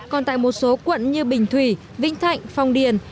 còn tại một số quận như bình thủy vĩnh thạnh phong điền